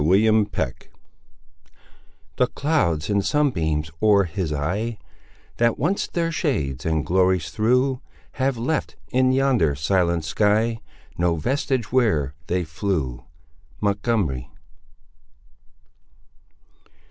CHAPTER XXII The clouds and sunbeams o'er his eye, That once their shades and glories threw, Have left, in yonder silent sky, No vestige where they flew. —Montgomery.